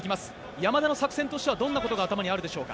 山田の作戦としてはどんなことが頭にあるでしょうか。